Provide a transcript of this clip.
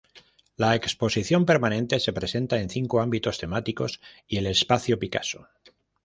La exposición permanente se presenta en cinco ámbitos temáticos y el Espacio Picasso.